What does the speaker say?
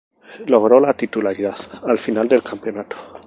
Logró la titularidad al final del Campeonato.